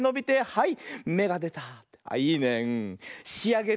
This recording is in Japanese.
はい。